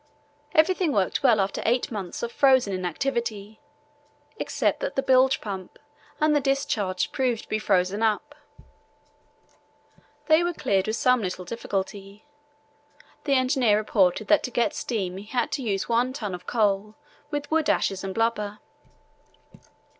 Everything worked well after eight months of frozen inactivity, except that the bilge pump and the discharge proved to be frozen up; they were cleared with some little difficulty. The engineer reported that to get steam he had used one ton of coal, with wood ashes and blubber.